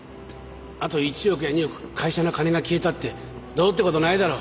あと１億や２億会社の金が消えたってどうって事ないだろ。